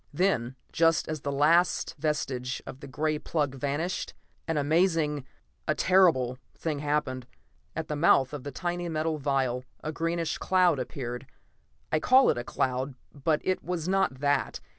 Then, just as the last vestige of the gray plug vanished; an amazing, a terrible thing happened. At the mouth of the tiny metal vial a greenish cloud appeared. I call it a cloud, but it was not that.